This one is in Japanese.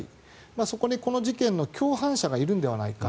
そこにこの事件の共犯者がいるのではないか。